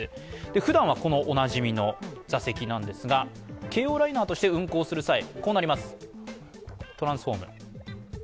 ふだんはおなじみの座席なんですが、京王ライナーとして運行する際、こうなります。